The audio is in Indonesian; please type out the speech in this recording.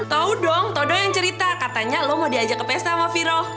tau dong todo yang cerita katanya lo mau diajak ke pesta sama viro